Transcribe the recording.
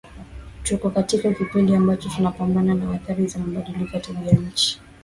Tuko katika kipindi ambacho tunapambana na athari za mabadiliko ya Tabia ya nchini